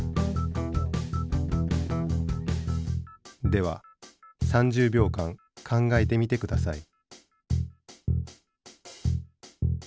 では３０秒間考えてみて下さい。